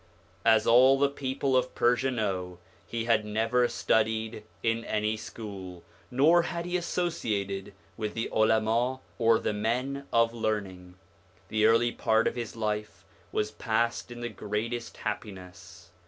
As all the people of Persia know, he had never studied in any school, nor had he associated with the Ulama or the men of learning. The early part of his life was passed in the greatest happiness.